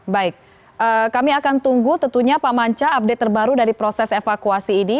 baik kami akan tunggu tentunya pak manca update terbaru dari proses evakuasi ini